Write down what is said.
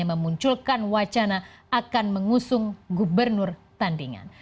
memunculkan wacana akan mengusung gubernur tandingan